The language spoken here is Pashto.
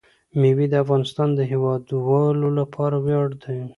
مېوې د افغانستان د هیوادوالو لپاره ویاړ دی.